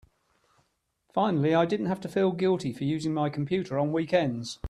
Finally I didn't have to feel guilty for using my computer on weekends.